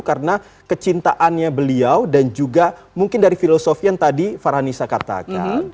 karena kecintaannya beliau dan juga mungkin dari filosofi yang tadi farhanisa katakan